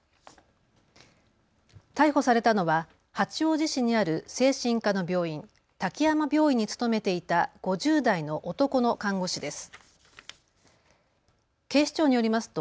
逮捕されたのは八王子市にある精神科の病院、滝山病院に勤めていた５０代の男の看護師です。